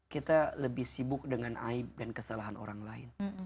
kita lebih sibuk dengan aib dan kesalahan orang lain